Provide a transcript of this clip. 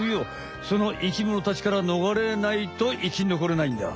その生きものたちからのがれないといきのこれないんだ。